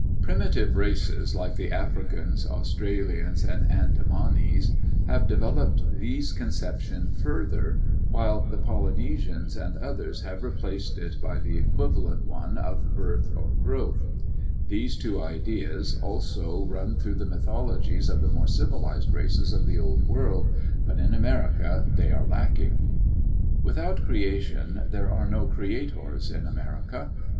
Primitive races like the Africans, Australians, and Andamanese have developed this con ception farther, while the Polynesians and others have replaced it by the equivalent one of birth or growth. These two ideas VOL. 2.1 Kroeber. Types of Indian Culture in California. 91 also run through the mythologies of the more civilized races of the old world, but in America they are lacking. Without creation, there are no creators in America.